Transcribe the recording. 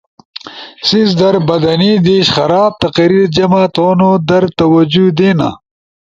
سیس در بدنی دیش، خراب تقریر جمع تھونو در توجہ دینا،